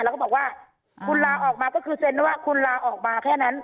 แล้วก็บอกว่าคุณลาออกมาก็คือเซ็นว่าคุณลาออกมาแค่นั้น